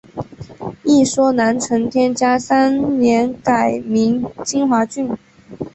一说南陈天嘉三年改名金华郡。